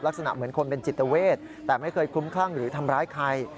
ลักษณะเหมือนคนเป็นจิตเวทแต่ไม่เคยคุ้มคลั่งหรือทำร้ายใคร